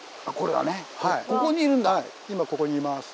はい今ここにいます。